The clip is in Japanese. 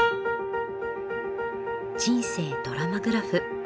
「人生ドラマグラフ」。